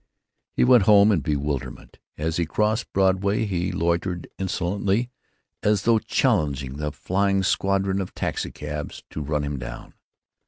He went home in bewilderment. As he crossed Broadway he loitered insolently, as though challenging the flying squadron of taxicabs to run him down.